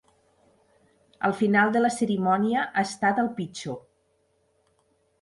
El final de la cerimònia ha estat el pitjor.